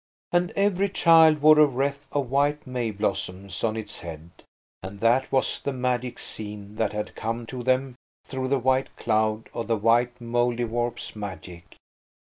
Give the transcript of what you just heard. And every child wore a wreath of white May blossoms on its head. And that was the magic scene that had come to them through the white cloud of the white Mouldiwarp's magic.